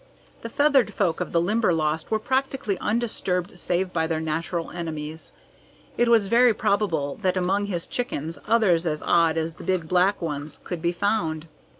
The feathered folk of the Limberlost were practically undisturbed save by their natural enemies. It was very probable that among his chickens others as odd as the big black ones could be found.